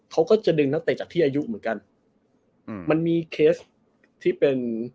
เขาก็จะดึงนักเต